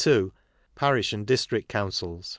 Parish and District Councils.